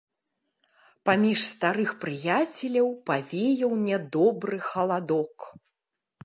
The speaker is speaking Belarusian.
Паміж старых прыяцеляў павеяў нядобры халадок.